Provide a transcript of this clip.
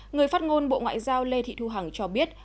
người phát ngôn bộ ngoại giao lê thị thu hằng cho biết